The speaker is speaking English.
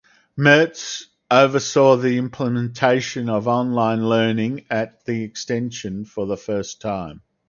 Metz oversaw the implementation of online learning at the extension for the first time.